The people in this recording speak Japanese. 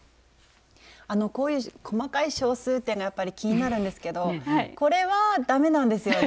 こういう細かい小数点がやっぱり気になるんですけどこれはダメなんですよね？